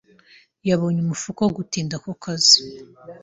Yabonye umufuka wo gutinda ku kazi.